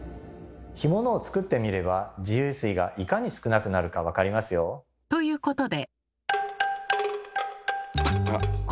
干物を作ってみれば自由水がいかに少なくなるかわかりますよ。ということで。